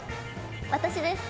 私ですか？